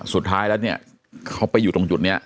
สุดท้ายแล้วเนี่ยเขาไปอยู่ตรงจุดนี้